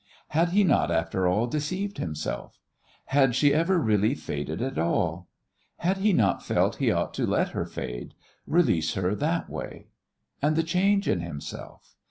Had he not, after all, deceived himself? Had she ever really "faded" at all? Had he not felt he ought to let her fade release her that way? And the change in himself?